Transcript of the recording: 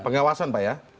pengawasan pak ya